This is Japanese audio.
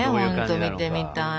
本当見てみたい。